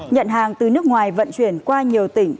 nhận hàng từ nước ngoài vận chuyển qua nhiều tỉnh